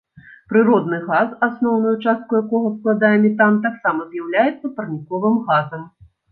Прыродны газ, асноўную частку якога складае метан, таксама з'яўляецца парніковым газам.